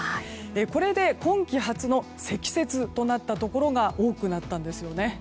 これで今季初の積雪となったところが多くなったんです。